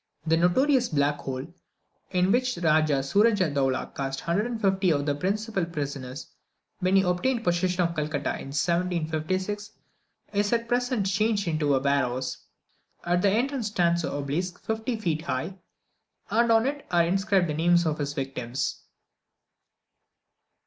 The notorious "Black Hole," in which the Rajah Suraja Dowla cast 150 of the principal prisoners when he obtained possession of Calcutta in 1756, is at present changed into a warehouse. At the entrance stands an obelisk fifty feet high, and on it are inscribed the names of his victims.